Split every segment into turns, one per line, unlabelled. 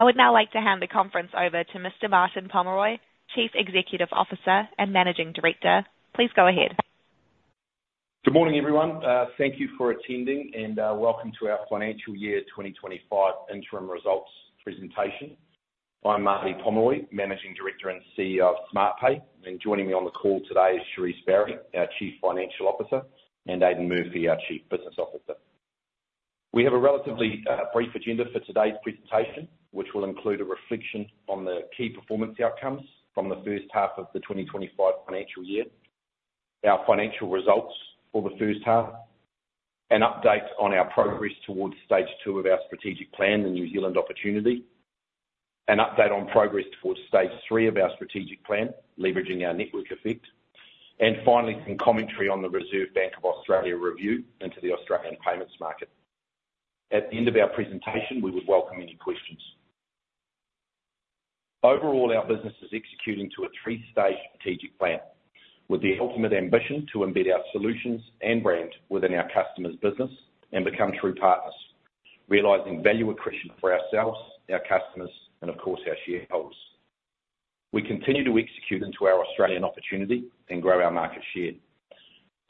I would now like to hand the conference over to Mr. Martyn Pomeroy, Chief Executive Officer and Managing Director. Please go ahead.
Good morning, everyone. Thank you for attending and welcome to our financial year 2025 Interim Results Presentation. I'm Marty Pomeroy, Managing Director and CEO of Smartpay, and joining me on the call today is Cherise Barrie, our Chief Financial Officer, and Aidan Murphy, our Chief Business Officer. We have a relatively brief agenda for today's presentation, which will include a reflection on the key performance outcomes from the first half of the 2025 financial year, our financial results for the first half, an update on our progress towards Stage 2 of our strategic plan, the New Zealand opportunity, an update on progress towards Stage 3 of our strategic plan, leveraging our network effect, and finally some commentary on the Reserve Bank of Australia review into the Australian payments market. At the end of our presentation, we would welcome any questions. Overall, our business is executing to a three-stage strategic plan with the ultimate ambition to embed our solutions and brand within our customers' business and become true partners, realizing value accretion for ourselves, our customers, and, of course, our shareholders. We continue to execute into our Australian opportunity and grow our market share.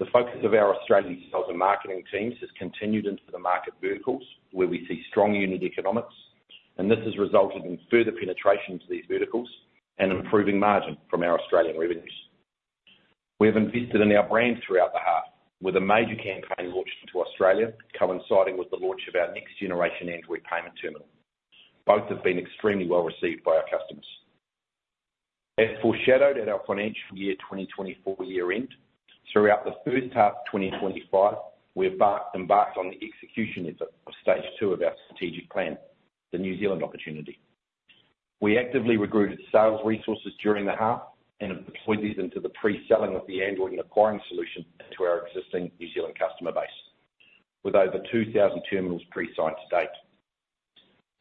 The focus of our Australian sales and marketing teams has continued into the market verticals, where we see strong unit economics, and this has resulted in further penetration to these verticals and improving margin from our Australian revenues. We have invested in our brand throughout the half, with a major campaign launched into Australia, coinciding with the launch of our next-generation Android payment terminal. Both have been extremely well received by our customers. As foreshadowed at our Financial Year 2024 year-end, throughout the first half of 2025, we have embarked on the execution of Stage 2 of our strategic plan, the New Zealand opportunity. We actively recruited sales resources during the half and have deployed these into the pre-selling of the Android and acquiring solution to our existing New Zealand customer base, with over 2,000 terminals pre-signed to date.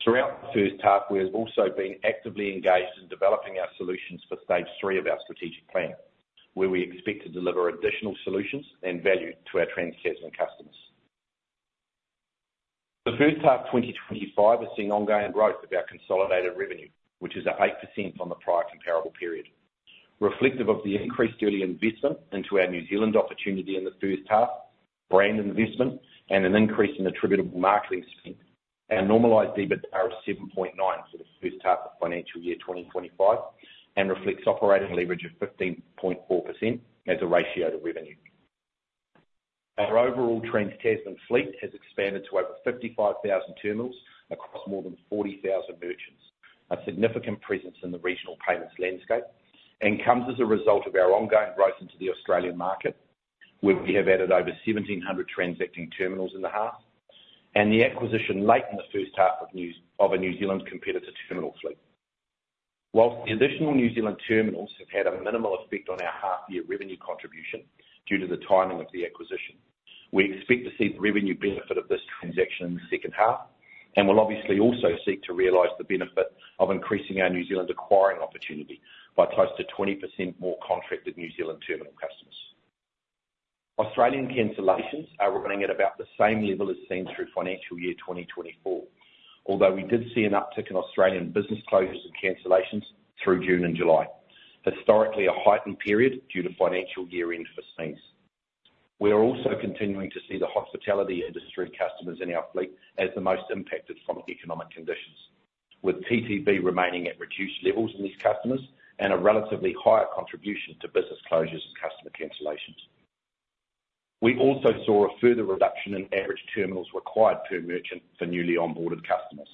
Throughout the first half, we have also been actively engaged in developing our solutions for Stage 3 of our strategic plan, where we expect to deliver additional solutions and value to our trans-Tasman customers. The first half of 2025 has seen ongoing growth of our consolidated revenue, which is up 8% on the prior comparable period. Reflective of the increased early investment into our New Zealand opportunity in the first half, brand investment, and an increase in attributable marketing spend, our normalized EBITDA is 7.9 for the first half of financial year 2025 and reflects operating leverage of 15.4% as a ratio to revenue. Our overall trans-Tasman fleet has expanded to over 55,000 terminals across more than 40,000 merchants, a significant presence in the regional payments landscape, and comes as a result of our ongoing growth into the Australian market, where we have added over 1,700 transacting terminals in the half and the acquisition late in the first half of a New Zealand competitor terminal fleet. While the additional New Zealand terminals have had a minimal effect on our half-year revenue contribution due to the timing of the acquisition, we expect to see the revenue benefit of this transaction in the second half and will obviously also seek to realize the benefit of increasing our New Zealand acquiring opportunity by close to 20% more contracted New Zealand terminal customers. Australian cancellations are running at about the same level as seen through financial year 2024, although we did see an uptick in Australian business closures and cancellations through June and July, historically a heightened period due to financial year-end reasons. We are also continuing to see the hospitality industry customers in our fleet as the most impacted from economic conditions, with TTV remaining at reduced levels in these customers and a relatively higher contribution to business closures and customer cancellations. We also saw a further reduction in average terminals required per merchant for newly onboarded customers,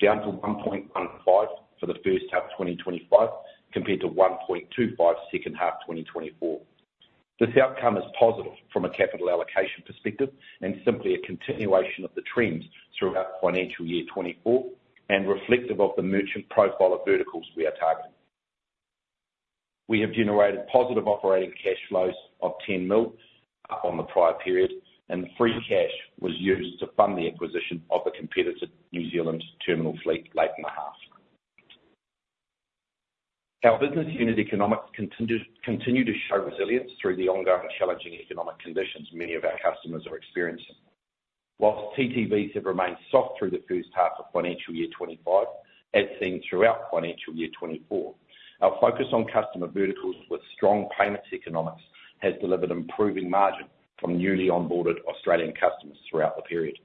down to 1.15 for the first half of 2025 compared to 1.25 second half of 2024. This outcome is positive from a capital allocation perspective and simply a continuation of the trends throughout financial year 2024 and reflective of the merchant profile of verticals we are targeting. We have generated positive operating cash flows of 10 million up on the prior period, and free cash was used to fund the acquisition of the competitor New Zealand terminal fleet late in the half. Our business unit economics continue to show resilience through the ongoing challenging economic conditions many of our customers are experiencing. While TTVs have remained soft through the first half of financial year 25, as seen throughout financial year 24, our focus on customer verticals with strong payments economics has delivered improving margin from newly onboarded Australian customers throughout the period.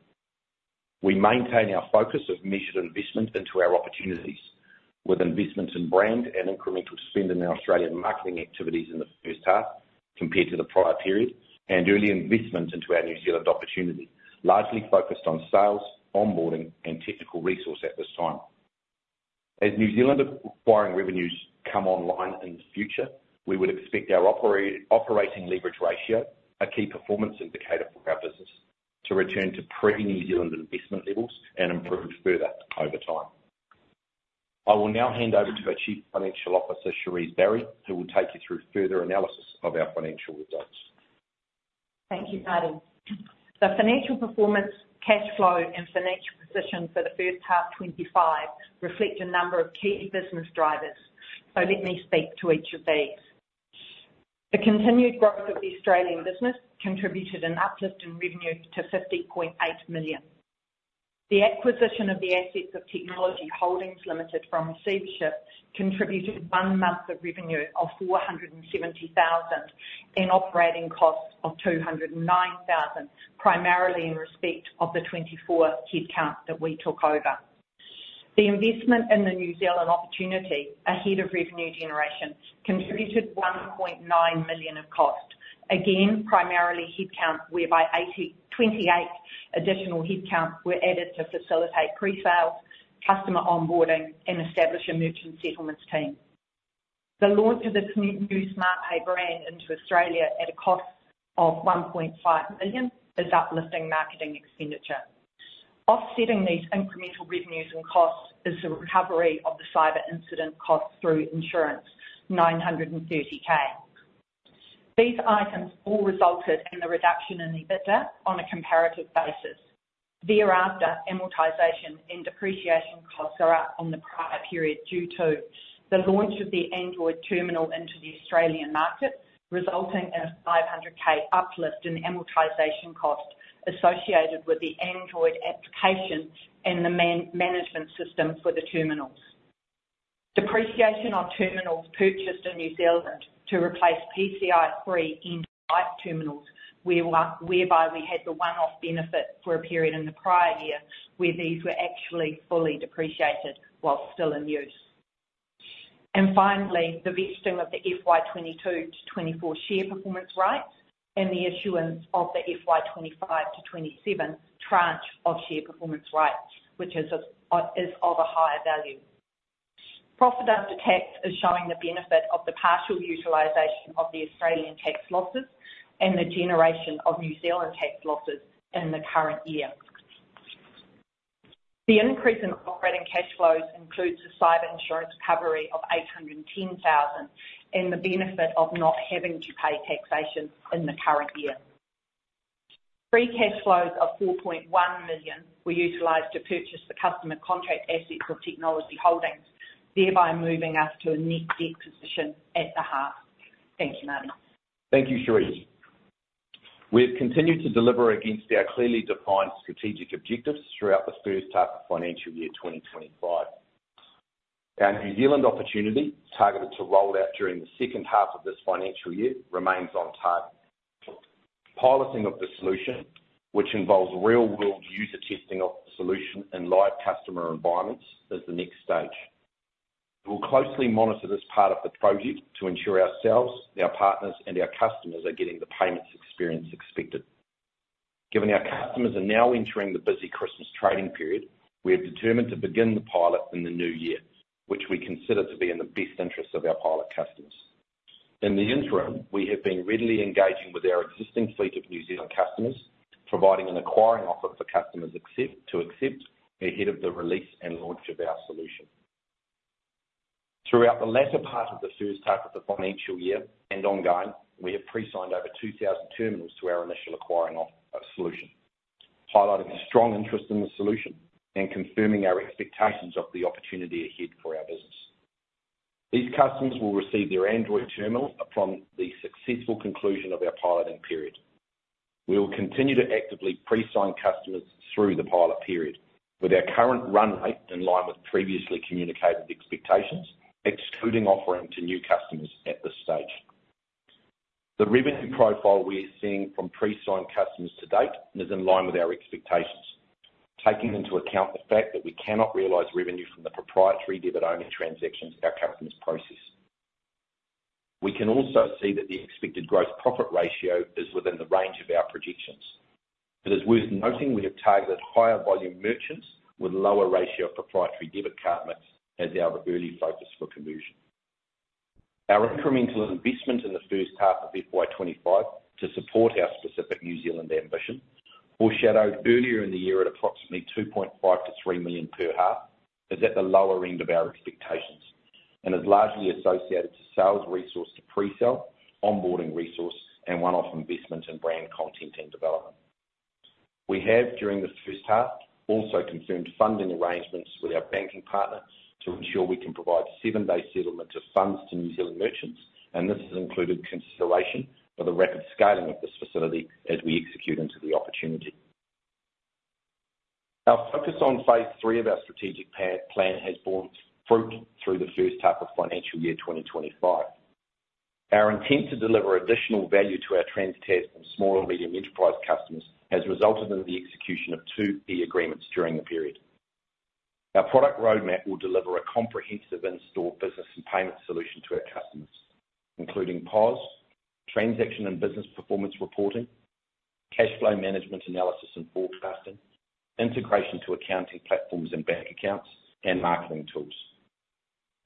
We maintain our focus of measured investment into our opportunities, with investment in brand and incremental spend in our Australian marketing activities in the first half compared to the prior period, and early investment into our New Zealand opportunity, largely focused on sales, onboarding, and technical resource at this time. As New Zealand acquiring revenues come online in the future, we would expect our operating leverage ratio, a key performance indicator for our business, to return to pre-New Zealand investment levels and improve further over time. I will now hand over to our Chief Financial Officer, Cherise Barrie, who will take you through further analysis of our financial results.
Thank you, Martyn. The financial performance, cash flow, and financial position for the first half of 2025 reflect a number of key business drivers, so let me speak to each of these. The continued growth of the Australian business contributed an uplift in revenue to 15.8 million. The acquisition of the assets of Technology Holdings Limited from Seabyshift contributed one month of revenue of 470,000 and operating costs of 209,000, primarily in respect of the 2024 headcount that we took over. The investment in the New Zealand opportunity, ahead of revenue generation, contributed 1.9 million of cost, again primarily headcount, whereby 28 additional headcount were added to facilitate pre-sales, customer onboarding, and establish a merchant settlements team. The launch of this new Smartpay brand into Australia at a cost of 1.5 million is uplifting marketing expenditure. Offsetting these incremental revenues and costs is the recovery of the cyber incident costs through insurance, 930,000. These items all resulted in the reduction in EBITDA on a comparative basis. Thereafter, amortization and depreciation costs are up on the prior period due to the launch of the Android terminal into the Australian market, resulting in a 500,000 uplift in amortization costs associated with the Android application and the management system for the terminals. Depreciation on terminals purchased in New Zealand to replace PCI3 end-of-life terminals, whereby we had the one-off benefit for a period in the prior year where these were actually fully depreciated while still in use. And finally, the vesting of the FY 2022 to 2024 share performance rights and the issuance of the FY 2025 to 2027 tranche of share performance rights, which is of a higher value. Profit after tax is showing the benefit of the partial utilization of the Australian tax losses and the generation of New Zealand tax losses in the current year. The increase in operating cash flows includes a cyber insurance recovery of 810,000 and the benefit of not having to pay taxation in the current year. Free cash flows of 4.1 million were utilized to purchase the customer contract assets of Technology Holdings, thereby moving us to a net debt position at the half. Thank you, Martyn.
Thank you, Cherise. We have continued to deliver against our clearly defined strategic objectives throughout the first half of financial year 2025. Our New Zealand opportunity, targeted to roll out during the second half of this financial year, remains on target. Piloting of the solution, which involves real-world user testing of the solution in live customer environments, is the next stage. We will closely monitor this part of the project to ensure ourselves, our partners, and our customers are getting the payments experience expected. Given our customers are now entering the busy Christmas trading period, we have determined to begin the pilot in the new year, which we consider to be in the best interest of our pilot customers. In the interim, we have been readily engaging with our existing fleet of New Zealand customers, providing an acquiring offer for customers to accept ahead of the release and launch of our solution. Throughout the latter part of the first half of the financial year and ongoing, we have pre-signed over 2,000 terminals to our initial acquiring offer of solution, highlighting strong interest in the solution and confirming our expectations of the opportunity ahead for our business. These customers will receive their Android terminal upon the successful conclusion of our piloting period. We will continue to actively pre-sign customers through the pilot period, with our current run rate in line with previously communicated expectations, excluding offering to new customers at this stage. The revenue profile we are seeing from pre-signed customers to date is in line with our expectations, taking into account the fact that we cannot realize revenue from the proprietary debit-only transactions our customers process. We can also see that the expected gross profit ratio is within the range of our projections. It is worth noting we have targeted higher volume merchants with lower ratio proprietary debit card mix as our early focus for conversion. Our incremental investment in the first half of FY25 to support our specific New Zealand ambition, foreshadowed earlier in the year at approximately 2.5 million-3 million per half, is at the lower end of our expectations and is largely associated to sales resource to pre-sell, onboarding resource, and one-off investment in brand content and development. We have, during the first half, also confirmed funding arrangements with our banking partner to ensure we can provide seven-day settlement of funds to New Zealand merchants, and this has included consideration for the rapid scaling of this facility as we execute into the Opportunity. Our focus on Phase 3 of our strategic plan has borne fruit through the first half of financial year 2025. Our intent to deliver additional value to our Trans-Tasman small and medium enterprise customers has resulted in the execution of two key agreements during the period. Our product roadmap will deliver a comprehensive in-store business and payment solution to our customers, including POS, transaction and business performance reporting, cash flow management analysis and forecasting, integration to accounting platforms and bank accounts, and marketing tools.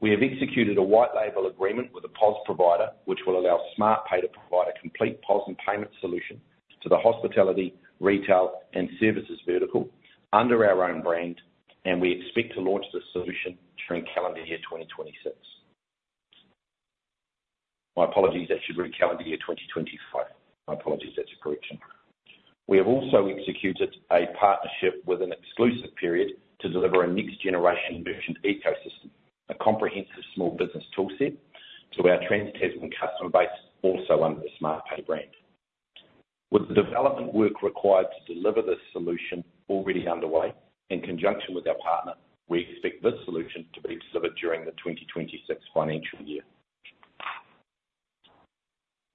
We have executed a white-label agreement with a POS provider, which will allow Smartpay to provide a complete POS and payment solution to the hospitality, retail, and services vertical under our own brand, and we expect to launch this solution during calendar year 2026. My apologies. That should be calendar year 2025. My apologies. That's a correction. We have also executed a partnership with an exclusive period to deliver a next-generation merchant ecosystem, a comprehensive small business toolset to our Trans-Tasman customer base, also under the Smartpay brand. With the development work required to deliver this solution already underway, in conjunction with our partner, we expect this solution to be delivered during the 2026 financial year.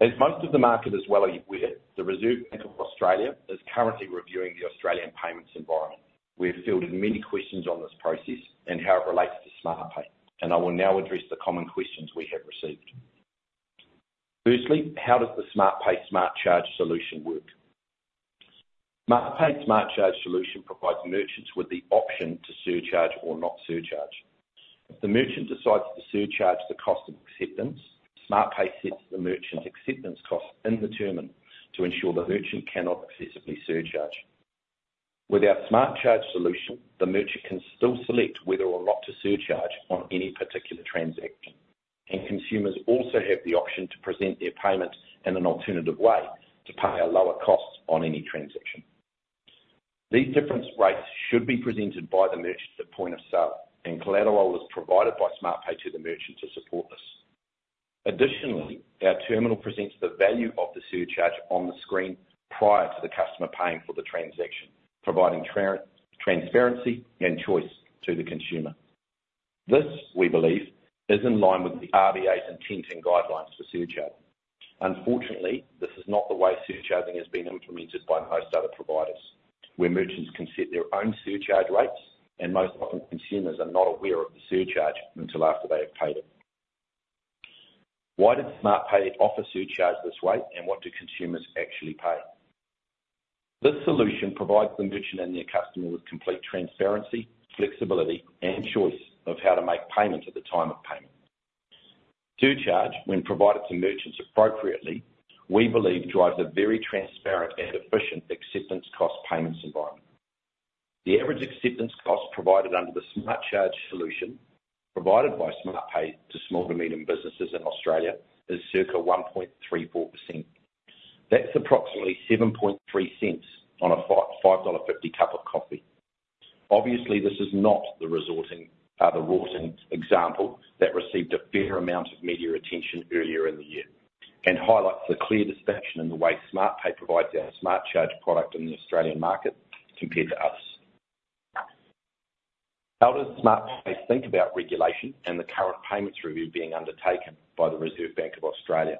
As most of the market is well aware, the Reserve Bank of Australia is currently reviewing the Australian payments environment. We have fielded many questions on this process and how it relates to Smartpay, and I will now address the common questions we have received. Firstly, how does the Smartpay SmartCharge solution work? Smartpay SmartCharge solution provides merchants with the option to surcharge or not surcharge. If the merchant decides to surcharge the cost of acceptance, Smartpay sets the merchant's acceptance cost in the terminal to ensure the merchant cannot excessively surcharge. With our SmartCharge solution, the merchant can still select whether or not to surcharge on any particular transaction, and consumers also have the option to present their payment in an alternative way to pay a lower cost on any transaction. These different rates should be presented by the merchant at point of sale, and collateral is provided by Smartpay to the merchant to support this. Additionally, our terminal presents the value of the surcharge on the screen prior to the customer paying for the transaction, providing transparency and choice to the consumer. This, we believe, is in line with the RBA's intent and guidelines for surcharging. Unfortunately, this is not the way surcharging has been implemented by most other providers, where merchants can set their own surcharge rates, and most often consumers are not aware of the surcharge until after they have paid it. Why did Smartpay offer surcharge this way, and what do consumers actually pay? This solution provides the merchant and their customer with complete transparency, flexibility, and choice of how to make payment at the time of payment. Surcharge, when provided to merchants appropriately, we believe, drives a very transparent and efficient acceptance cost payments environment. The average acceptance cost provided under the SmartCharge solution provided by Smartpay to small to medium businesses in Australia is circa 1.34%. That's approximately 7.3 cents on a 5.50 dollar cup of coffee. Obviously, this is not the resulting example that received a fair amount of media attention earlier in the year and highlights the clear distinction in the way Smartpay provides our SmartCharge product in the Australian market compared to others. How does Smartpay think about regulation and the current payments review being undertaken by the Reserve Bank of Australia?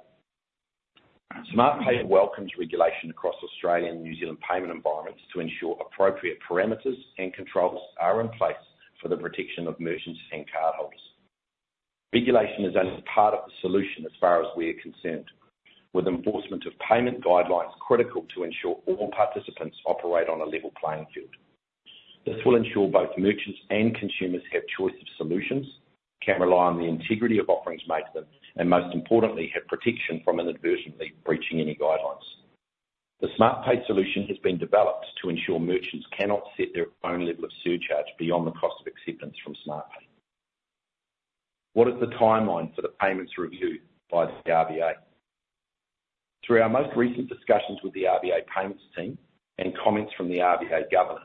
Smartpay welcomes regulation across Australian and New Zealand payment environments to ensure appropriate parameters and controls are in place for the protection of merchants and cardholders. Regulation is only part of the solution as far as we are concerned, with enforcement of payment guidelines critical to ensure all participants operate on a level playing field. This will ensure both merchants and consumers have choice of solutions, can rely on the integrity of offerings made to them, and most importantly, have protection from inadvertently breaching any guidelines. The Smartpay solution has been developed to ensure merchants cannot set their own level of surcharge beyond the cost of acceptance from Smartpay. What is the timeline for the payments review by the RBA? Through our most recent discussions with the RBA payments team and comments from the RBA governor,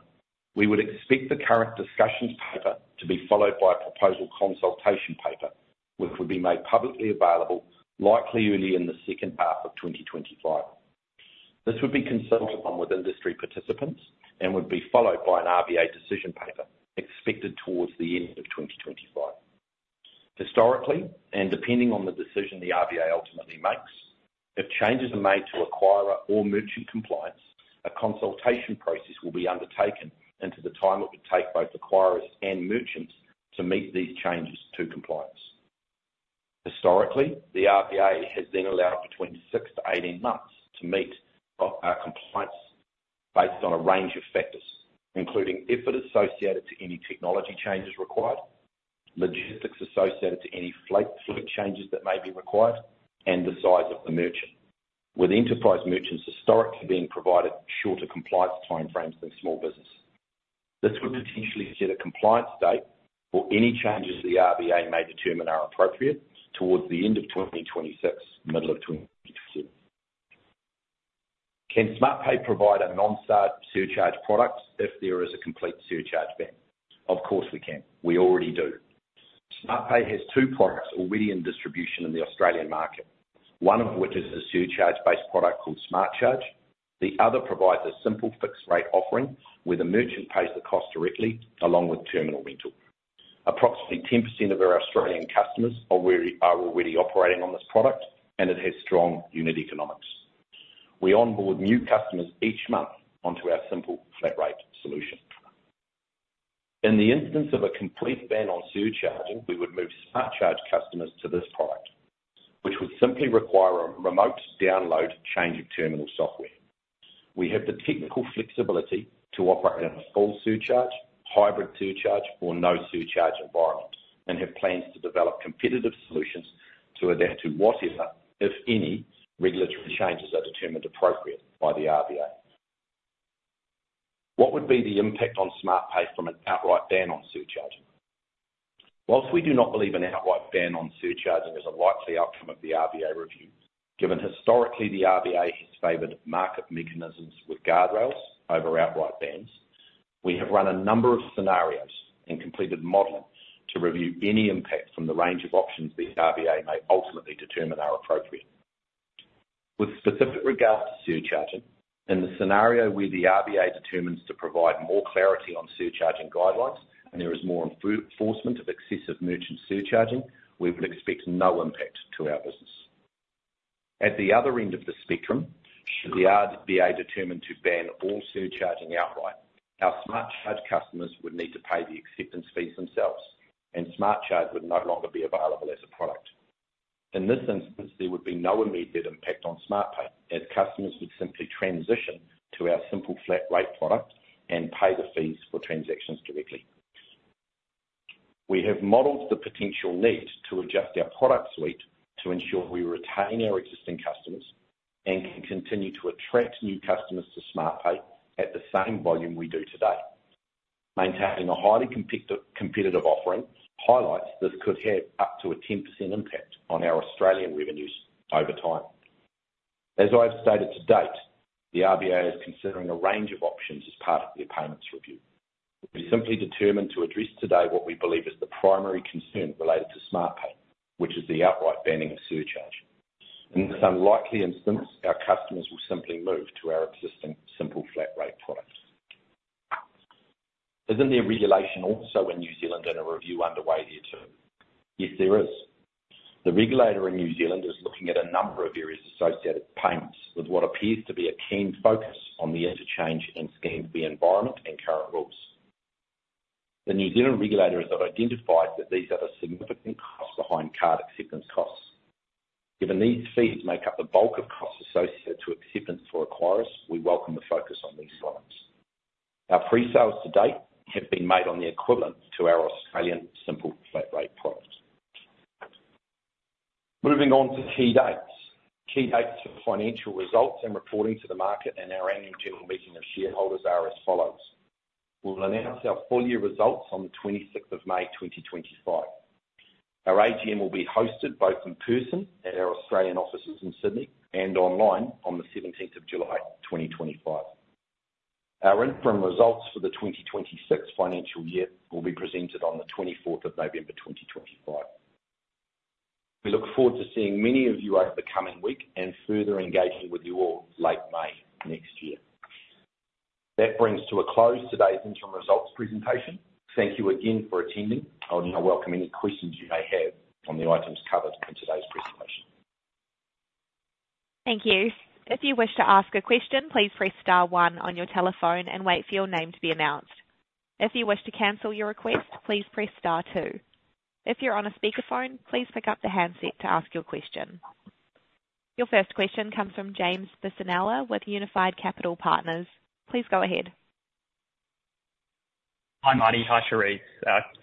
we would expect the current discussion paper to be followed by a proposal consultation paper, which would be made publicly available likely early in the second half of 2025. This would be consulted on with industry participants and would be followed by an RBA decision paper expected towards the end of 2025. Historically, and depending on the decision the RBA ultimately makes, if changes are made to acquirer or merchant compliance, a consultation process will be undertaken into the time it would take both acquirers and merchants to meet these changes to compliance. Historically, the RBA has then allowed between six to 18 months to meet our compliance based on a range of factors, including effort associated to any technology changes required, logistics associated to any fleet changes that may be required, and the size of the merchant, with enterprise merchants historically being provided shorter compliance timeframes than small business. This would potentially set a compliance date for any changes the RBA may determine are appropriate towards the end of 2026, middle of 2027. Can Smartpay provide a non-surcharge product if there is a complete surcharge then? Of course we can. We already do. Smartpay has two products already in distribution in the Australian market, one of which is a surcharge-based product called SmartCharge. The other provides a simple fixed-rate offering where the merchant pays the cost directly along with terminal rental. Approximately 10% of our Australian customers are already operating on this product, and it has strong unit economics. We onboard new customers each month onto our simple flat-rate solution. In the instance of a complete ban on surcharging, we would move SmartCharge customers to this product, which would simply require a remote download change of terminal software. We have the technical flexibility to operate in a full surcharge, hybrid surcharge, or no-surcharge environment and have plans to develop competitive solutions to adapt to whatever, if any, regulatory changes are determined appropriate by the RBA. What would be the impact on Smartpay from an outright ban on surcharging? While we do not believe an outright ban on surcharging is a likely outcome of the RBA review, given historically the RBA has favored market mechanisms with guardrails over outright bans, we have run a number of scenarios and completed modeling to review any impact from the range of options the RBA may ultimately determine are appropriate. With specific regards to surcharging, in the scenario where the RBA determines to provide more clarity on surcharging guidelines and there is more enforcement of excessive merchant surcharging, we would expect no impact to our business. At the other end of the spectrum, should the RBA determine to ban all surcharging outright, our SmartCharge customers would need to pay the acceptance fees themselves, and SmartCharge would no longer be available as a product. In this instance, there would be no immediate impact on Smartpay, as customers would simply transition to our simple flat-rate product and pay the fees for transactions directly. We have modeled the potential need to adjust our product suite to ensure we retain our existing customers and can continue to attract new customers to Smartpay at the same volume we do today. Maintaining a highly competitive offering highlights this could have up to a 10% impact on our Australian revenues over time. As I have stated to date, the RBA is considering a range of options as part of their payments review. We have simply determined to address today what we believe is the primary concern related to Smartpay, which is the outright banning of surcharge. In this unlikely instance, our customers will simply move to our existing simple flat-rate product. Isn't there regulation also in New Zealand and a review underway there too? Yes, there is. The regulator in New Zealand is looking at a number of areas associated with payments with what appears to be a keen focus on the interchange and scheme fee environment and current rules. The New Zealand regulator has identified that these are the significant costs behind card acceptance costs. Given these fees make up the bulk of costs associated to acceptance for acquirers, we welcome the focus on these items. Our pre-sales to date have been made on the equivalent to our Australian simple flat-rate product. Moving on to key dates. Key dates for financial results and reporting to the market and our annual general meeting of shareholders are as follows. We'll announce our full year results on the 26th of May 2025. Our AGM will be hosted both in person at our Australian offices in Sydney and online on the 17th of July 2025. Our interim results for the 2026 financial year will be presented on the 24th of November 2025. We look forward to seeing many of you over the coming week and further engaging with you all late May next year. That brings to a close today's interim results presentation. Thank you again for attending. I'll now welcome any questions you may have on the items covered in today's presentation.
Thank you. If you wish to ask a question, please press star one on your telephone and wait for your name to be announced. If you wish to cancel your request, please press star two. If you're on a speakerphone, please pick up the handset to ask your question. Your first question comes from James Bisinella with Unified Capital Partners. Please go ahead.
Hi, Marty. Hi, Cherise.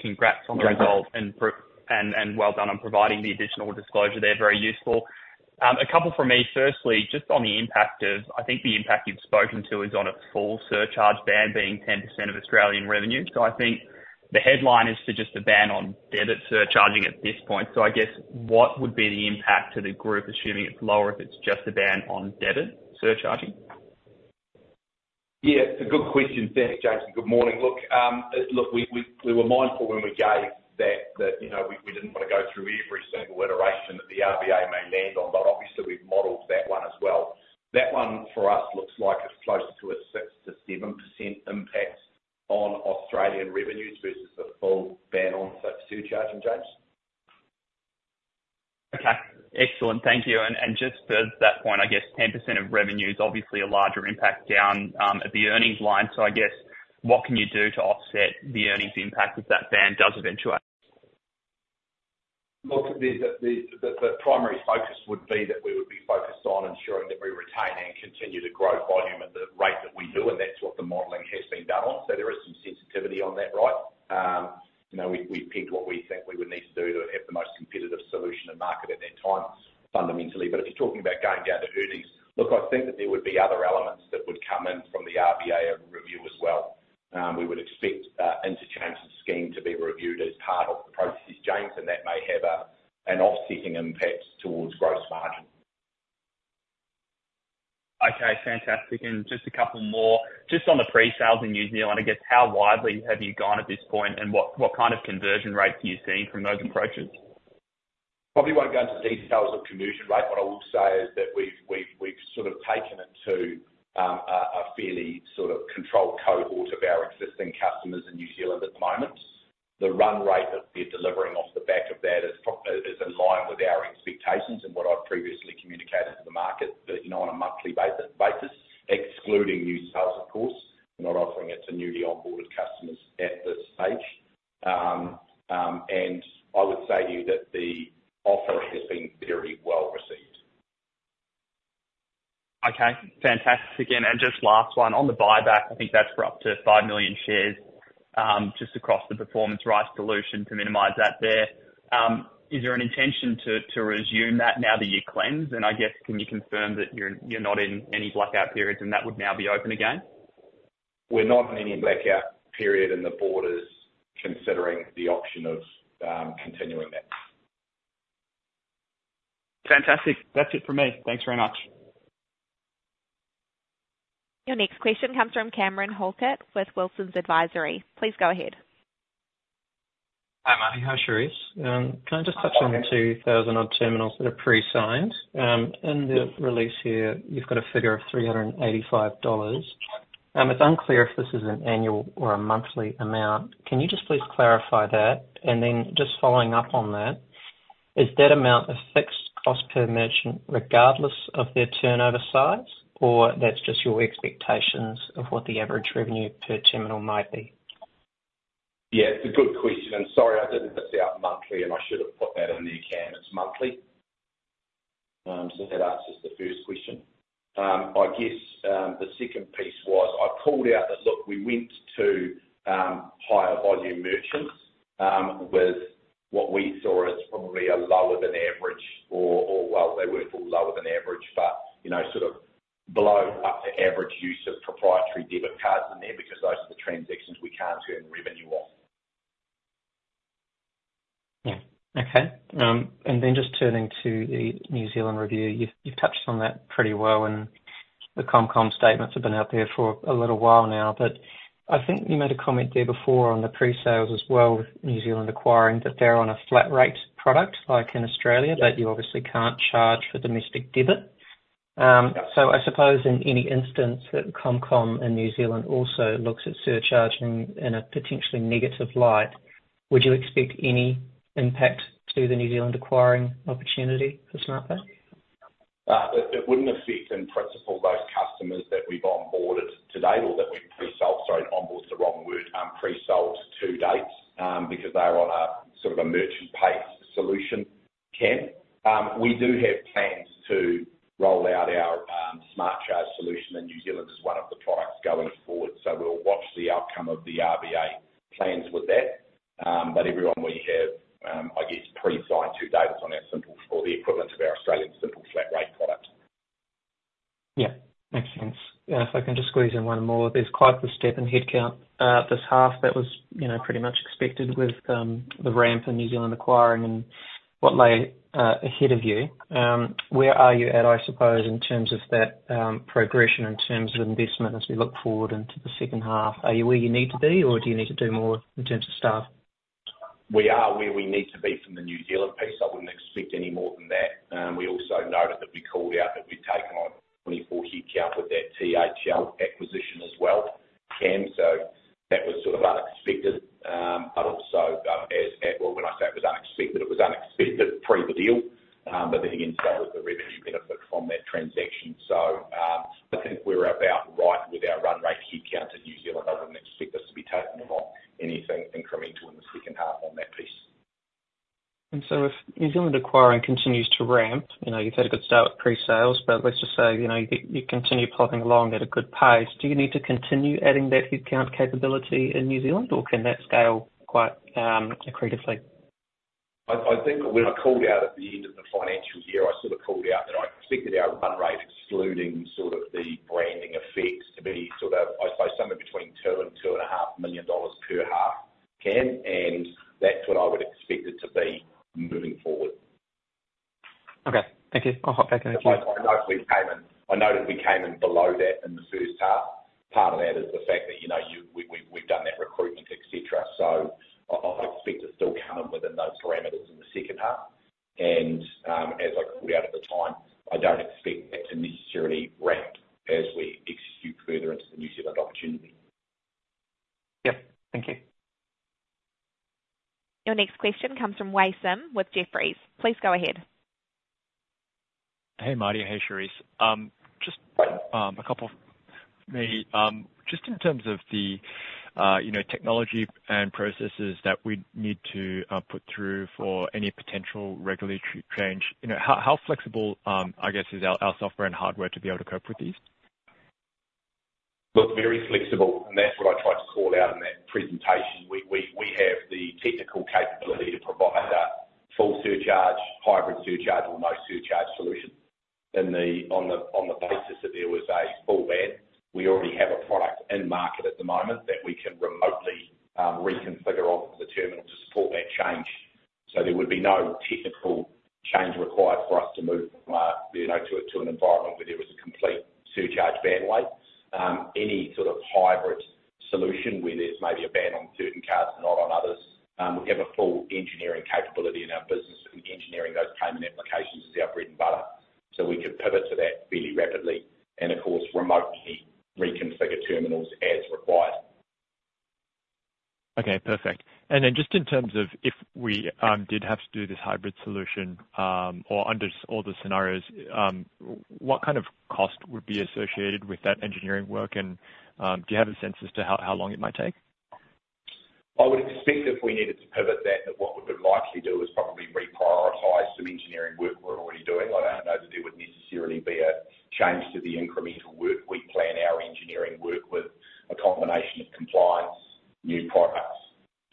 Congrats on the result and well done on providing the additional disclosure there. Very useful. A couple from me. Firstly, just on the impact of I think the impact you've spoken to is on a full surcharge ban being 10% of Australian revenue. So I think the headline is to just a ban on debit surcharging at this point. So I guess what would be the impact to the group, assuming it's lower if it's just a ban on debit surcharging? Yeah. It's a good question. Thanks, James. Good morning. Look, we were mindful when we gave that we didn't want to go through every single iteration that the RBA may land on, but obviously we've modeled that one as well. That one for us looks like it's closer to a 6%-7% impact on Australian revenues versus a full ban on surcharging, James. Okay. Excellent. Thank you. And just to that point, I guess 10% of revenue is obviously a larger impact down at the earnings line. So I guess what can you do to offset the earnings impact if that ban does eventuate? Look, the primary focus would be that we would be focused on ensuring that we retain and continue to grow volume at the rate that we do, and that's what the modeling has been done on. So there is some sensitivity on that, right? We picked what we think we would need to do to have the most competitive solution and market at that time, fundamentally. But if you're talking about going down to earnings, look, I think that there would be other elements that would come in from the RBA review as well. We would expect interchange scheme to be reviewed as part of the processes, James, and that may have an offsetting impact towards gross margin. Okay. Fantastic. And just a couple more. Just on the pre-sales in New Zealand, I guess how widely have you gone at this point, and what kind of conversion rates are you seeing from those approaches?
Probably won't go into details of conversion rate, but I will say is that we've sort of taken into a fairly sort of controlled cohort of our existing customers in New Zealand at the moment. The run rate that we're delivering off the back of that is in line with our expectations and what I've previously communicated to the market on a monthly basis, excluding new sales, of course. We're not offering it to newly onboarded customers at this stage. And I would say to you that the offer has been very well received.
Okay. Fantastic. And just last one. On the buyback, I think that's for up to five million shares just across the performance rights solution to minimize dilution there. Is there an intention to resume that now that you've closed? And I guess, can you confirm that you're not in any blackout periods and that would now be open again?
We're not in any blackout period, and the board is considering the option of continuing that.
Fantastic. That's it for me. Thanks very much.
Your next question comes from Cameron Halkett with Wilsons Advisory. Please go ahead.
Hi, Marty. Hi, Cherise. Can I just touch on the 2,000-odd terminals that are pre-signed? In the release here, you've got a figure of 385 dollars. It's unclear if this is an annual or a monthly amount. Can you just please clarify that? And then just following up on that, is that amount a fixed cost per merchant regardless of their turnover size, or that's just your expectations of what the average revenue per terminal might be?
Yeah. It's a good question. And sorry, I didn't put it out monthly, and I should have put that in there, Cam. It's monthly. So that answers the first question. I guess the second piece was I called out that, look, we went to higher volume merchants with what we saw as probably a lower-than-average or, well, they weren't all lower-than-average, but sort of below average use of proprietary debit cards in there because those are the transactions we can't turn revenue off.
Yeah. Okay. And then just turning to the New Zealand review, you've touched on that pretty well, and the ComCom statements have been out there for a little while now. But I think you made a comment there before on the pre-sales as well with New Zealand acquiring that they're on a flat-rate product like in Australia that you obviously can't charge for domestic debit. So I suppose in any instance that ComCom in New Zealand also looks at surcharging in a potentially negative light, would you expect any impact to the New Zealand acquiring opportunity for Smartpay?
It wouldn't affect, in principle, those customers that we've onboarded today or that we've pre-sold, sorry, onboarded's the wrong word, pre-sold to dates because they're on a sort of a merchant-based solution, Cam. We do have plans to roll out our SmartCharge solution in New Zealand as one of the products going forward. So we'll watch the outcome of the RBA plans with that. But everyone we have, I guess, pre-signed to dates on our simple or the equivalent of our Australian simple flat-rate product.
Yeah. Makes sense. If I can just squeeze in one more, there's quite the step in headcount this half that was pretty much expected with the ramp in New Zealand acquiring and what lay ahead of you. Where are you at, I suppose, in terms of that progression in terms of investment as we look forward into the second half? Are you where you need to be, or do you need to do more in terms of staff? We are where we need to be from the New Zealand piece. I wouldn't expect any more than that. We also noted that we called out that we'd taken on 24 headcount with that THL acquisition as well, Cam. So that was sort of unexpected. But also, when I say it was unexpected, it was unexpected pre-the-deal. But then again, so was the revenue benefit from that transaction. So I think we're about right with our run rate headcount in New Zealand. I wouldn't expect us to be taking on anything incremental in the second half on that piece. And so if New Zealand acquiring continues to ramp, you've had a good start with pre-sales, but let's just say you continue plopping along at a good pace, do you need to continue adding that headcount capability in New Zealand, or can that scale quite accretively? I think when I called out at the end of the financial year, I sort of called out that I expected our run rate, excluding sort of the branding effects, to be sort of, I'd say, somewhere between 2 million dollars and NZD 2.5 million per half, Cam. And that's what I would expect it to be moving forward. Okay. Thank you. I'll hop back in a few.
I noticed we came in below that in the first half. Part of that is the fact that we've done that recruitment, etc. So I'd expect to still come in within those parameters in the second half. And as I called out at the time, I don't expect that to necessarily ramp as we execute further into the New Zealand opportunity.
Yep. Thank you.
Your next question comes from Wei Sim with Jefferies. Please go ahead.
Hey, Marty. Hey, Cherise. Just a couple for me. Just in terms of the technology and processes that we need to put through for any potential regulatory change, how flexible, I guess, is our software and hardware to be able to cope with these?
Look, very flexible. And that's what I tried to call out in that presentation. We have the technical capability to provide a full surcharge, hybrid surcharge, or no surcharge solution. On the basis that there was a full ban, we already have a product in market at the moment that we can remotely reconfigure onto the terminal to support that change. There would be no technical change required for us to move to an environment where there was a complete surcharge ban. Any sort of hybrid solution where there's maybe a ban on certain cards, not on others, we have a full engineering capability in our business. Engineering those payment applications is our bread and butter. We could pivot to that fairly rapidly and, of course, remotely reconfigure terminals as required.
Okay. Perfect. Then just in terms of if we did have to do this hybrid solution or under all the scenarios, what kind of cost would be associated with that engineering work? And do you have a sense as to how long it might take?
I would expect if we needed to pivot that, that what we would likely do is probably reprioritize some engineering work we're already doing. I don't know that there would necessarily be a change to the incremental work. We plan our engineering work with a combination of compliance, new products,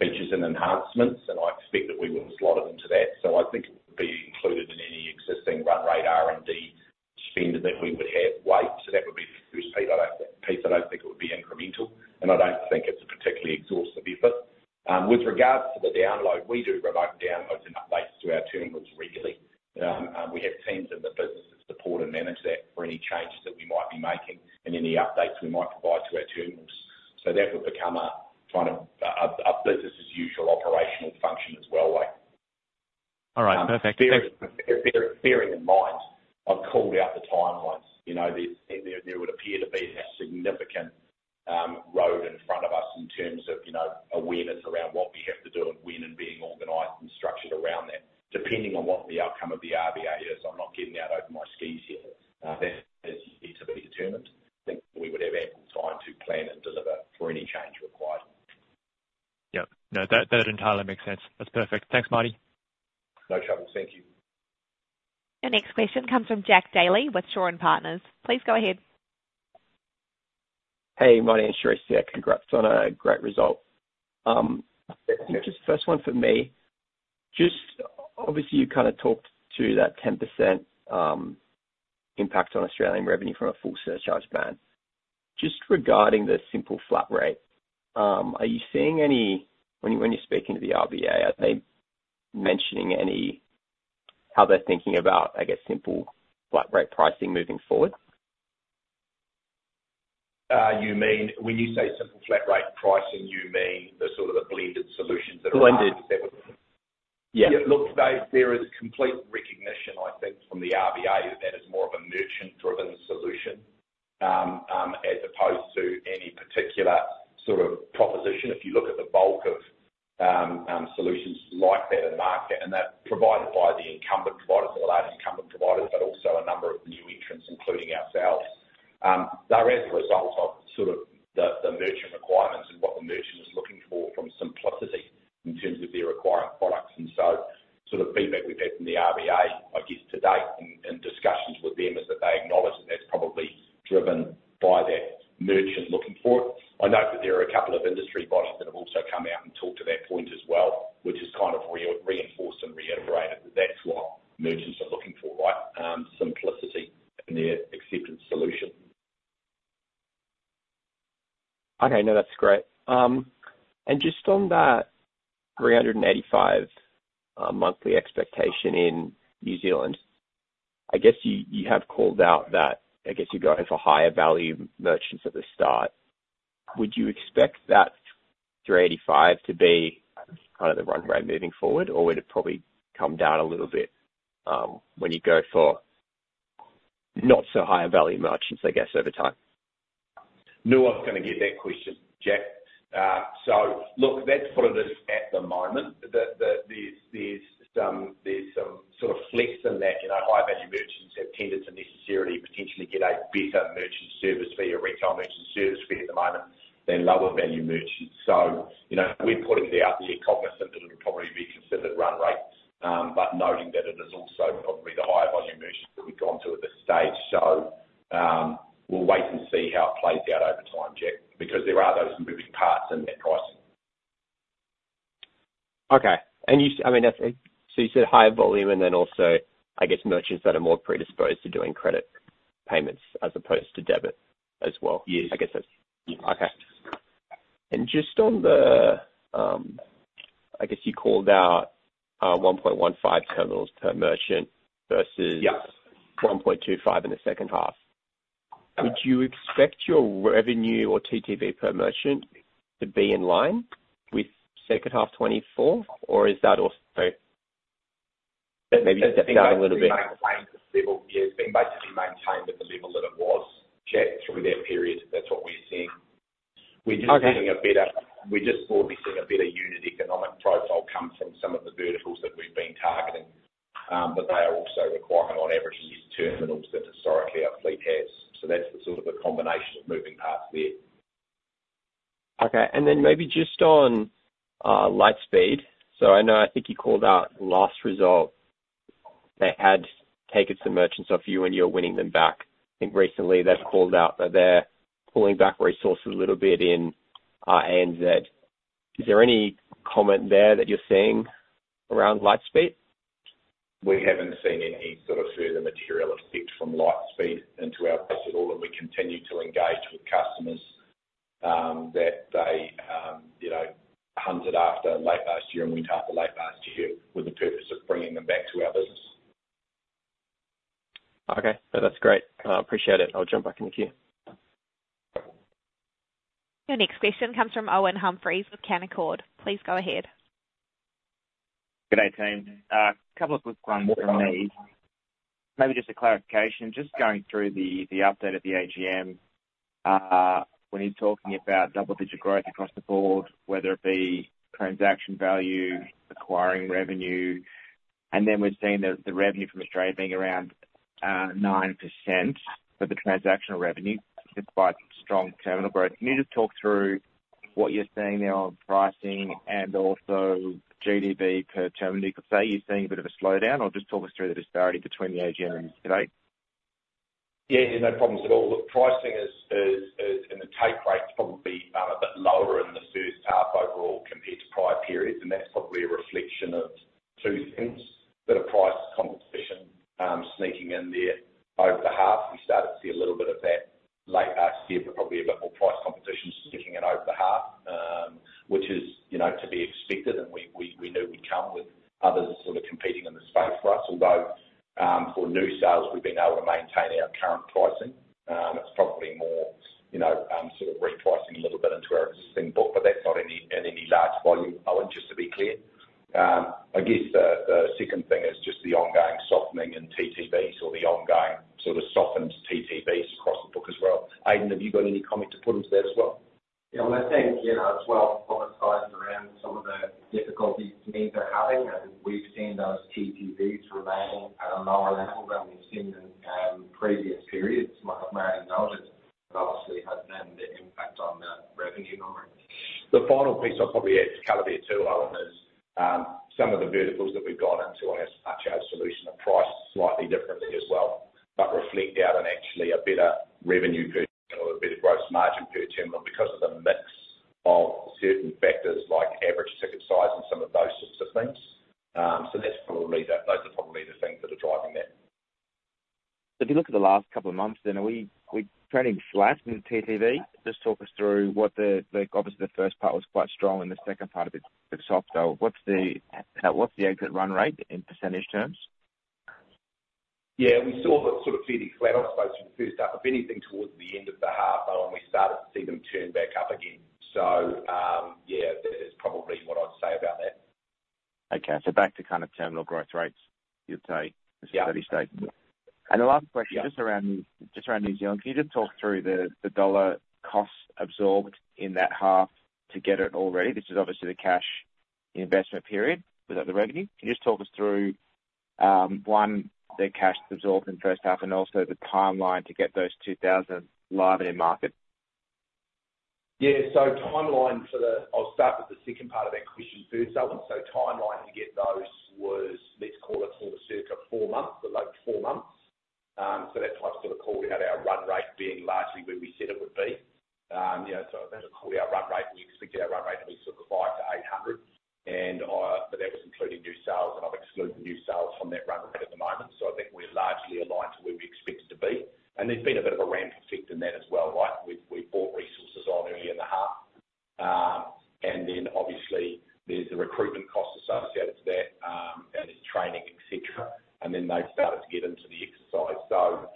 features, and enhancements. And I expect that we would slot it into that. So I think it would be included in any existing run rate R&D spend that we would have weighed. So that would be the first piece. I don't think it would be incremental. And I don't think it's a particularly exhaustive effort. With regards to the download, we do remote downloads and updates to our terminals regularly. We have teams in the business that support and manage that for any changes that we might be making and any updates we might provide to our terminals. So that would become a kind of a business-as-usual operational function as well, like. All right. Perfect. Bearing in mind, I've called out the timelines. There would appear to be a significant road in front of us in terms of awareness around what we have to do and when and being organized and structured around that. Depending on what the outcome of the RBA is, I'm not getting out over my skis here. That is yet to be determined. I think we would have ample time to plan and deliver for any change required.
Yep. No, that entirely makes sense. That's perfect. Thanks, Marty.
No trouble. Thank you.
Your next question comes from Jack Daley with Shaw and Partners. Please go ahead.
Hey, Marty. I'm Cherise here. Congrats on a great result. Just first one for me. Just obviously, you kind of talked to that 10% impact on Australian revenue from a full surcharge ban. Just regarding the simple flat rate, are you seeing any—when you're speaking to the RBA, are they mentioning any—how they're thinking about, I guess, simple flat rate pricing moving forward?
You mean when you say simple flat rate pricing, you mean the sort of the blended solutions that are already set with? Blended. Yeah. Look, there is complete recognition, I think, from the RBA that that is more of a merchant-driven solution as opposed to any particular sort of proposition. If you look at the bulk of solutions like that in the market, and that's provided by the incumbent providers, the large incumbent providers, but also a number of new entrants, including ourselves. They're as a result So look, that's what it is at the moment. There's some sort of flex in that high-value merchants have tended to necessarily potentially get a better merchant service fee or retail merchant service fee at the moment than lower-value merchants. So we're putting it out there cognizant that it'll probably be considered run rate, but noting that it is also probably the higher-value merchants that we've gone to at this stage. So we'll wait and see how it plays out over time, Jack, because there are those moving parts in that pricing. Okay.
I mean, so you said higher volume and then also, I guess, merchants that are more predisposed to doing credit payments as opposed to debit as well. Yes. I guess that's okay. And just on the, I guess you called out 1.15 terminals per merchant versus 1.25 in the second half. Would you expect your revenue or TTV per merchant to be in line with second half 2024, or is that also maybe stepping out a little bit? Been maintained at the level it was, Jack, through that period. That's what we're seeing. We're just probably seeing a bit of unit economic profile come from some of the verticals that we've been targeting, but they are also requiring, on average, less terminals than historically our fleet has. So that's the sort of combination of moving parts there. Okay. And then maybe just on Lightspeed, so I know I think you called out last result that had taken some merchants off you, and you're winning them back. I think recently they've called out that they're pulling back resources a little bit in ANZ. Is there any comment there that you're seeing around Lightspeed?
We haven't seen any sort of further material effect from Lightspeed into our base at all, and we continue to engage with customers that they hunted after late last year and went after late last year with the purpose of bringing them back to our business.
Okay. No, that's great. I appreciate it. I'll jump back in the queue.
Your next question comes from Owen Humphreys with Canaccord. Please go ahead.
Good day, team. Couple of quick ones from me. Maybe just a clarification. Just going through the update at the AGM, when you're talking about double-digit growth across the board, whether it be transaction value, acquiring revenue, and then we're seeing the revenue from Australia being around 9% for the transactional revenue despite strong terminal growth. Can you just talk through what you're seeing there on pricing and also GDV per terminal? Because say you're seeing a bit of a slowdown, or just talk us through the disparity between the AGM and yesterday.
Yeah. No problems at all. Look, pricing and the take rate's probably a bit lower in the first half overall compared to prior periods. And that's probably a reflection of two things: a bit of price competition sneaking in there over the half. We started to see a little bit of that late last year, but probably a bit more price competition sneaking in over the half, which is to be expected. And we knew we'd come with others sort of competing in the space for us. Although for new sales, we've been able to maintain our current pricing. It's probably more sort of repricing a little bit into our existing book, but that's not in any large volume, Owen, just to be clear. I guess the second thing is just the ongoing softening in TTVs or the ongoing sort of softened TTVs across the book as well. Aidan, have you got any comment to put into that as well? Yeah. Well, I think as well publicizing around some of the difficulties teams are having. And we've seen those TTVs remaining at a lower level than we've seen in previous periods. I've noticed that obviously has then the impact on the revenue number. The final piece I'll probably add to color too, Owen, is some of the verticals that we've gone into on our POS solution are priced slightly differently as well, but reflect out an actually better revenue per terminal or a better gross margin per terminal because of the mix of certain factors like average ticket size and some of those sorts of things, so those are probably the things that are driving that, so if you look at the last couple of months, then are we trending flat in TTV? Just talk us through what the, obviously, the first part was quite strong and the second part a bit softer. What's the exit run rate in percentage terms? Yeah. We saw that sort of fairly flat, I suppose, from the first half. If anything, towards the end of the half, Owen, we started to see them turn back up again. So yeah, that is probably what I'd say about that.
Okay. So back to kind of terminal growth rates, you'd say, as you said you stated. And the last question just around New Zealand, can you just talk through the dollar cost absorbed in that half to get it all ready? This is obviously the cash investment period without the revenue. Can you just talk us through, one, the cash absorbed in the first half and also the timeline to get those 2,000 live in the market?
Yeah. So timeline for the. I'll start with the second part of that question first, Owen. So timeline to get those was, let's call it for the circa four months, the late four months. So that's why I've sort of called out our run rate being largely where we said it would be. So I've called out run rate. We expected our run rate to be sort of 5-800. And that was including new sales, and I've excluded new sales from that run rate at the moment. So I think we're largely aligned to where we expected to be. And there's been a bit of a ramp effect in that as well, right? We brought resources on earlier in the half. And then obviously, there's the recruitment cost associated to that and the training, etc. And then they've started to get into the exercise. So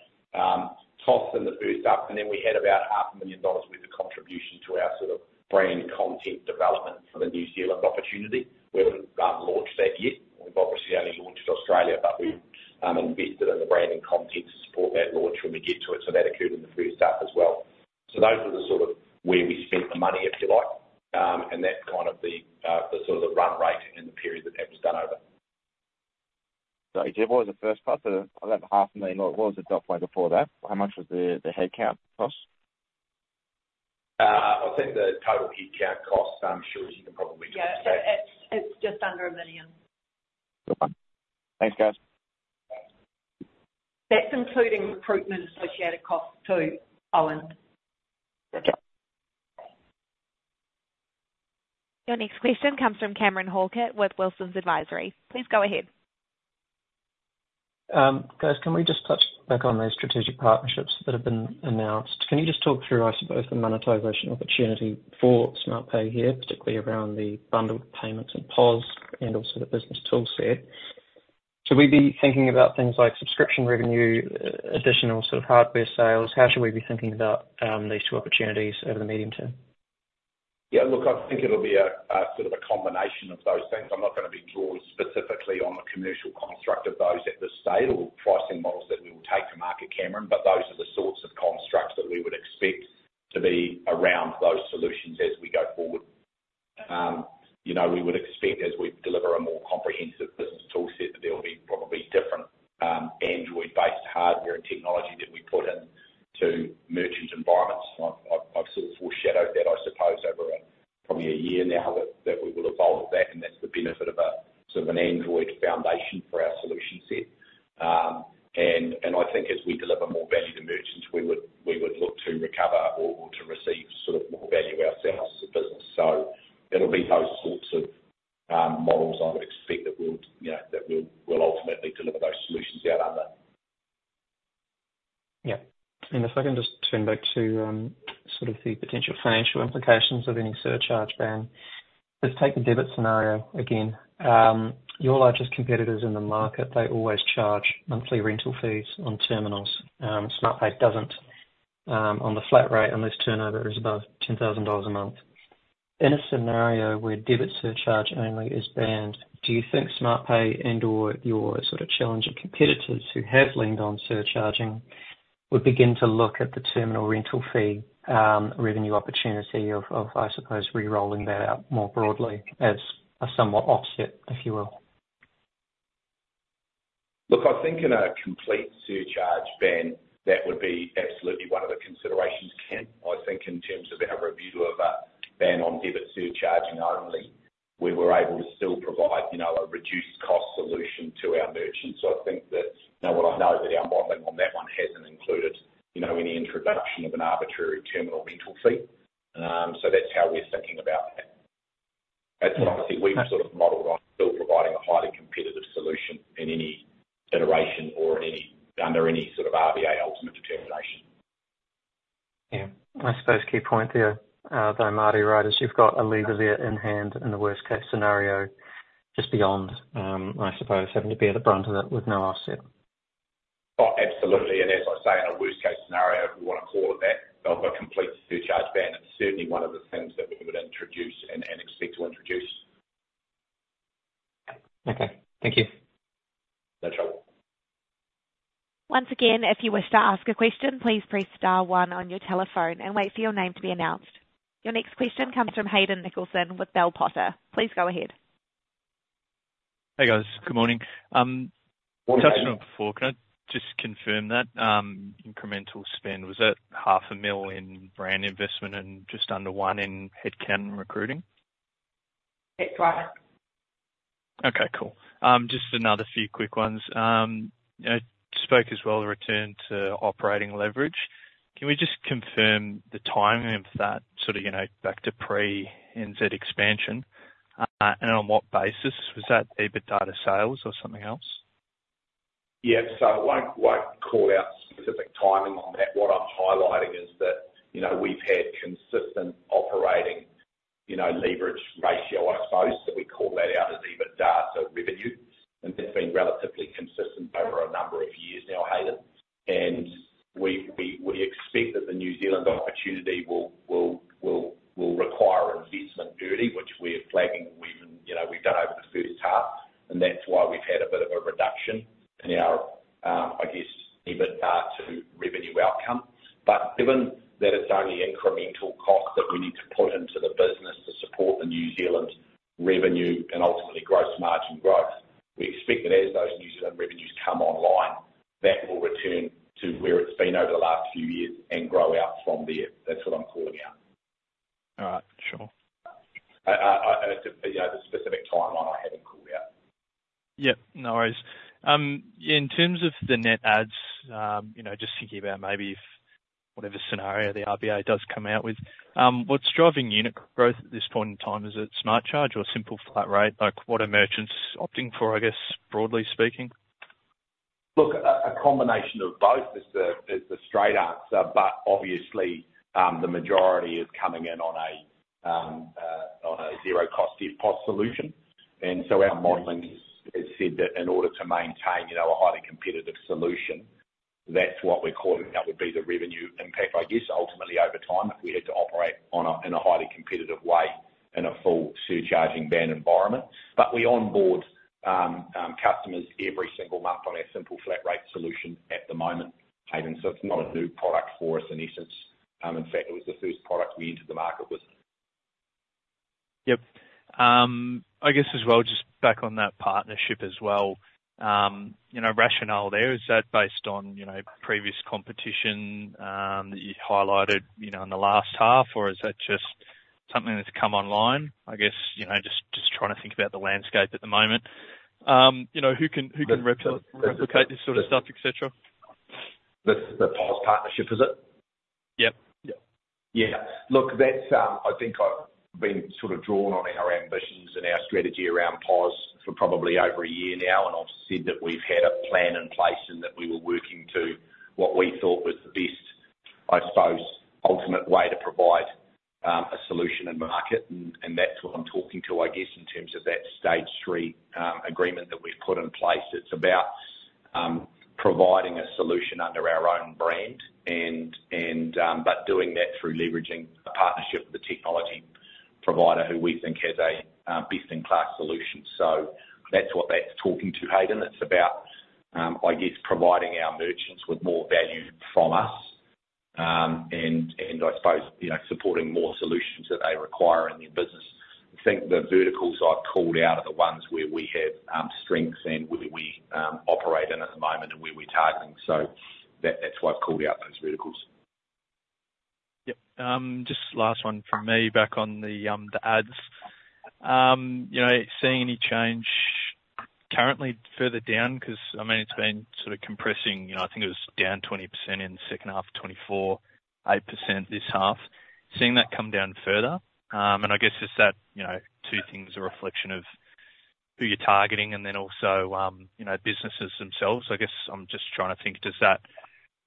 cost in the first half. And then we had about 500,000 dollars worth of contribution to our sort of brand content development for the New Zealand opportunity. We haven't launched that yet. We've obviously only launched Australia, but we've invested in the brand and content to support that launch when we get to it. So that occurred in the first half as well. So those were the sort of where we spent the money, if you like, and that's kind of the sort of the run rate and the period that that was done over. So what was the first part? I've got 500,000.
What was the dot point before that? How much was the headcount cost?
I think the total headcount cost, I'm sure you can probably double-check.
Yeah. It's just under 1 million.
Thanks, guys.
That's including recruitment-associated costs too, Owen.
Your next question comes from Cameron Halkett at Wilsons Advisory. Please go ahead.
Guys, can we just touch back on those strategic partnerships that have been announced? Can you just talk through, I suppose, the monetization opportunity for Smartpay here, particularly around the bundled payments and POS and also the business toolset? Should we be thinking about things like subscription revenue, additional sort of hardware sales? How should we be thinking about these two opportunities over the medium term?
Yeah. Look, I think it'll be a sort of a combination of those things. I'm not going to be drawing specifically on the commercial construct of those at this stage or pricing models that we will take to market, Cameron, but those are the sorts of constructs that we would expect to be around those solutions as we go forward. We would expect, as we deliver a more comprehensive business toolset, that there will be probably different Android-based hardware and technology that we put in to merchant environments. I've sort of foreshadowed that, I suppose, over probably a year now that we will evolve that, and that's the benefit of a sort of an Android foundation for our solution set. And I think as we deliver more value to merchants, we would look to recover or to receive sort of more value ourselves as a business. So it'll be those sorts of models I would expect that we'll ultimately deliver those solutions out under.
Yeah. And if I can just turn back to sort of the potential financial implications of any surcharge ban. Let's take the debit scenario again. Your largest competitors in the market. They always charge monthly rental fees on terminals. Smartpay doesn't on the flat rate unless turnover is above 10,000 dollars a month. In a scenario where debit surcharge only is banned, do you think Smartpay and/or your sort of challenging competitors who have leaned on surcharging would begin to look at the terminal rental fee revenue opportunity of, I suppose, rerolling that out more broadly as a somewhat offset, if you will?
Look, I think in a complete surcharge ban, that would be absolutely one of the considerations. I think in terms of our review of a ban on debit surcharging only, we were able to still provide a reduced-cost solution to our merchants. I think that what I know that our modeling on that one hasn't included any introduction of an arbitrary terminal rental fee. So that's how we're thinking about that. That's what I think we've sort of modeled on, still providing a highly competitive solution in any iteration or under any sort of RBA ultimate determination.
Yeah. I suppose key point there, though, Marty, right? As you've got a legal year in hand in the worst-case scenario, just beyond, I suppose, having to be at the brunt of it with no offset.
Oh, absolutely. And as I say, in a worst-case scenario, if we want to call it that of a complete surcharge ban, it's certainly one of the things that we would introduce and expect to introduce.
Okay. Thank you.
No trouble.
Once again, if you wish to ask a question, please press star one on your telephone and wait for your name to be announced. Your next question comes from Hayden Nicholson with Bell Potter. Please go ahead.
Hey, guys. Good morning. We touched on it before. Can I just confirm that incremental spend, was it 500,000 brand investment and just under 1 million in headcount and recruiting?
That's right.
Okay. Cool. Just another few quick ones. I spoke as well of a return to operating leverage. Can we just confirm the timing of that sort of back to pre-NZ expansion? And on what basis? Was that EBITDA to sales or something else?
Yeah. So I won't call out specific timing on that. What I'm highlighting is that we've had consistent operating leverage ratio, I suppose, that we call that out as EBITDA to revenue. And that's been relatively consistent over a number of years now, Hayden. And we expect that the New Zealand opportunity will require has said that in order to maintain a highly competitive solution, that's what we're calling that would be the revenue impact, I guess, ultimately over time if we had to operate in a highly competitive way in a full surcharging ban environment. But we onboard customers every single month on our simple flat rate solution at the moment, Hayden. So it's not a new product for us in essence. In fact, it was the first product we entered the market with.
Yep. I guess as well, just back on that partnership as well, rationale there, is that based on previous competition that you highlighted in the last half, or is that just something that's come online, I guess, just trying to think about the landscape at the moment? Who can replicate this sort of stuff, etc.?
The POS partnership, is it?
Yep. Yep. Yeah.
Look, I think I've been sort of drawn on our ambitions and our strategy around POS for probably over a year now, and I've said that we've had a plan in place and that we were working to what we thought was the best, I suppose, ultimate way to provide a solution in market, and that's what I'm talking to, I guess, in terms of that stage three agreement that we've put in place. It's about providing a solution under our own brand, but doing that through leveraging a partnership with a technology provider who we think has a best-in-class solution, so that's what that's talking to, Hayden. It's about, I guess, providing our merchants with more value from us and, I suppose, supporting more solutions that they require in their business. I think the verticals I've called out are the ones where we have strengths and where we operate in at the moment and where we're targeting. So that's why I've called out those verticals.
Yep. Just last one from me back on the adds. Seeing any change currently further down? Because, I mean, it's been sort of compressing. I think it was down 20% in the second half of 2024, 8% this half. Seeing that come down further? And I guess is that two things, a reflection of who you're targeting and then also businesses themselves? I guess I'm just trying to think, does that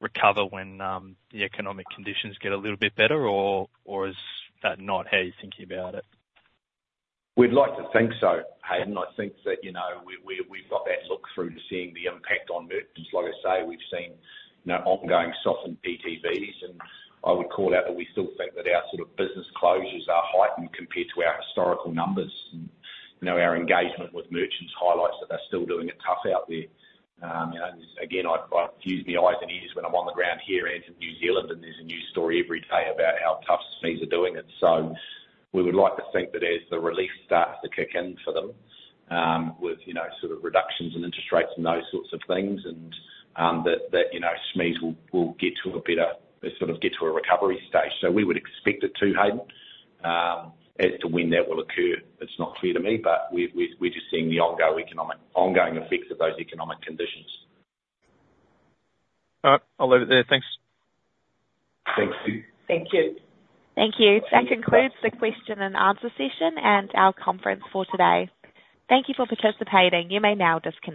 recover when the economic conditions get a little bit better, or is that not how you're thinking about it?
We'd like to think so, Hayden. I think that we've got that look through to seeing the impact on merchants. Like I say, we've seen ongoing softened TTVs, and I would call out that we still think that our sort of business closures are heightened compared to our historical numbers. Our engagement with merchants highlights that they're still doing it tough out there. Again, I use my eyes and ears when I'm on the ground here and in New Zealand, and there's a news story every day about how tough SMEs are doing it. So we would like to think that as the relief starts to kick in for them with sort of reductions in interest rates and those sorts of things, and that SMEs will get to a better sort of recovery stage. We would expect it to, Hayden. As to when that will occur, it's not clear to me, but we're just seeing the ongoing effects of those economic conditions. All right.
I'll leave it there. Thanks.
Thank you.
Thank you.
Thank you. That concludes the question and answer session and our conference for today. Thank you for participating. You may now disappear.